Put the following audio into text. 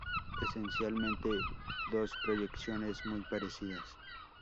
Esencialmente dos proyecciones muy parecidas.